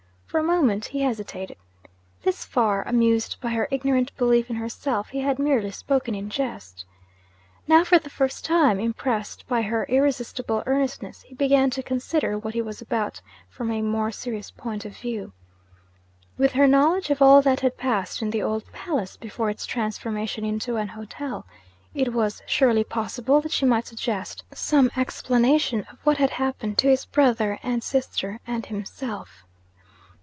For a moment he hesitated. Thus far, amused by her ignorant belief in herself, he had merely spoken in jest. Now, for the first time, impressed by her irresistible earnestness, he began to consider what he was about from a more serious point of view. With her knowledge of all that had passed in the old palace, before its transformation into an hotel, it was surely possible that she might suggest some explanation of what had happened to his brother, and sister, and himself.